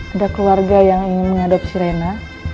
ada keluarga yang ingin mengadopsi rena